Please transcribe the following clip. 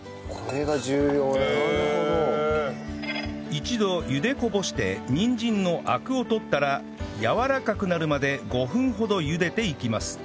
一度茹でこぼしてにんじんのアクを取ったらやわらかくなるまで５分ほど茹でていきます